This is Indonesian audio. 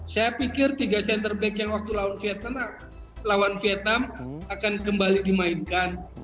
saya pikir tiga center back yang waktu lawan vietnam akan kembali dimainkan